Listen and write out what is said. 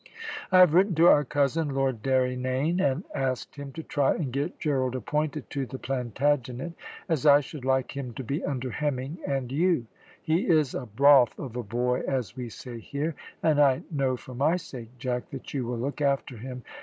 I have written to our cousin, Lord Derrynane, and asked him to try and get Gerald appointed to the Plantagenet, as I should like him to be under Hemming and you. He is a `broth of a boy,' as we say here, and I know for my sake, Jack, that you will look after him.